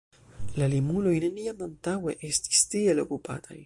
La Limuloj neniam antaŭe estis tiel okupataj.